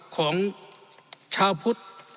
ของชาวพุทธ